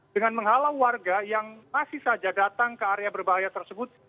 dengan menghalau warga yang masih saja datang ke area berbahaya tersebut